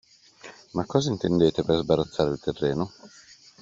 Ma che cosa intendete per sbarazzare il terreno?